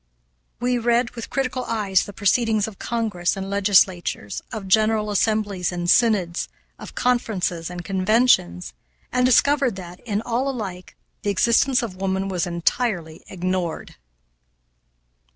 We read, with critical eyes, the proceedings of Congress and legislatures, of general assemblies and synods, of conferences and conventions, and discovered that, in all alike, the existence of woman was entirely ignored.